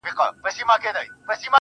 زه مي د ژوند كـتـاب تــه اور اچــــــوم~